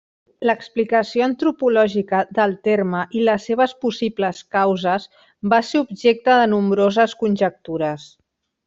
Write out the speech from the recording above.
L'explicació antropològica del terme i les seves possibles causes va ser objecte de nombroses conjectures.